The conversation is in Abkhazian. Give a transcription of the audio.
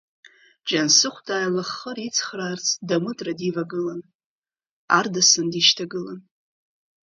Џьансыхә, дааилаххыр ицхраарц, Дамытра дивагылан, Ардасан дишьҭагылан.